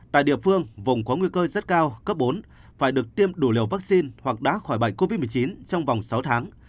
tại địa phương vùng có nguy cơ rất cao cấp bốn phải được tiêm đủ liều vaccine hoặc đã khỏi bệnh covid một mươi chín trong vòng sáu tháng